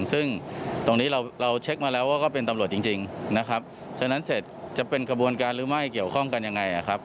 ซึ่งตรงนี้เราเช็คมาแล้วว่าก็เป็นตำรวจจริงนะครับฉะนั้นเสร็จจะเป็นกระบวนการหรือไม่เกี่ยวข้องกันยังไงนะครับ